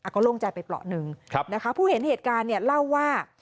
ก็โล่งใจไปเปราะหนึ่งนะคะผู้เห็นเหตุการณ์เนี่ยเล่าว่า